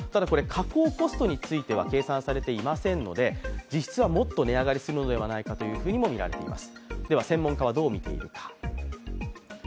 加工コストについては計算されていませんので、実質はもっと値上がりするのではないかとみられています。